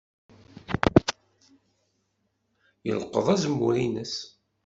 Yelqeḍ azemmur-nnes.